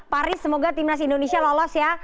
paris semoga tim nasional indonesia lolos ya